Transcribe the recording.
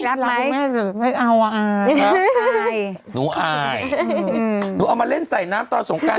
รับไหมไม่เอาอ่ะอายอายหนูอายอืมหนูเอามาเล่นใส่น้ำต่อสงการ